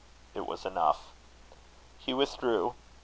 It was enough. He withdrew.